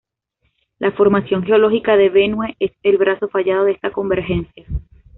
La formación geológica de Benue es el brazo fallado de esta convergencia.